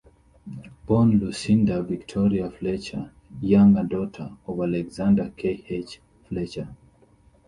Born Lucinda Victoria Fletcher, younger daughter of Alexander K H Fletcher.